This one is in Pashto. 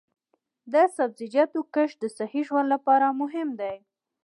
د سبزیجاتو کښت د صحي ژوند لپاره مهم دی.